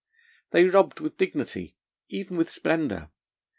They robbed with dignity, even with splendour.